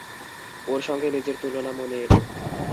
ওর সঙ্গে নিজের তুলনা মনে এল।